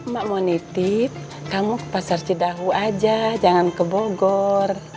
mak mau nitip kamu ke pasar cidahu aja jangan ke bogor